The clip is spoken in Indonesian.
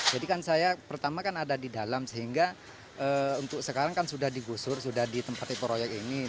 jadi kan saya pertama kan ada di dalam sehingga untuk sekarang kan sudah digusur sudah ditempati proyek ini